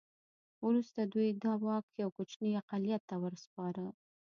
وروسته دوی دا واک یو کوچني اقلیت ته وسپاره.